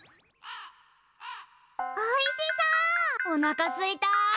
おなかすいた！